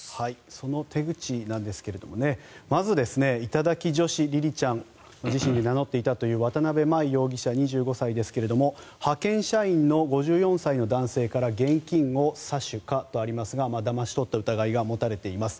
その手口ですがまず頂き女子りりちゃんとご自身で名乗っていたという渡邊真衣容疑者、２５歳ですが派遣社員の５４歳の男性から現金を詐取かとありますがだまし取った疑いが持たれています。